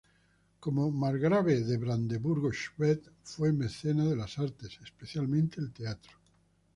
Como "Margrave de Brandeburgo-Schwedt", fue mecenas de las artes, especialmente el teatro.